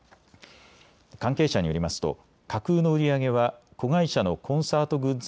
関係者によりますと架空の売り上げは子会社のコンサートグッズ